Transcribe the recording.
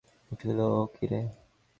সকলে চমকিয়া একবাক্যে বলিয়া উঠিল, ও কী রে।